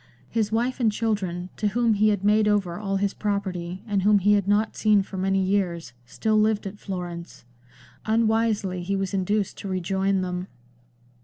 His wife xviii LANDOR. and children, to whom he had made over all his property, and whom he had not seen for many years, still lived at Florence ; unwisely he was induced to rejoin them.